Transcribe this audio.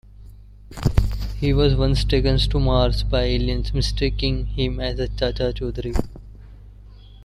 He was once taken to Mars by aliens mistaking him as Chacha Chaudhary.